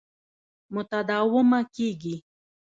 متداومه کېږي.